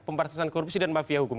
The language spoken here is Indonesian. pembatasan korupsi dan mafia hukum